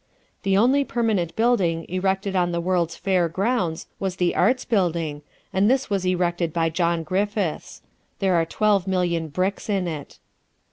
The only permanent building erected on the World's Fair grounds was the Arts Building, and this was erected by John Griffiths. There are twelve million bricks in it.